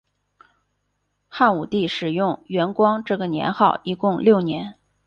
汉武帝使用元光这个年号一共六年。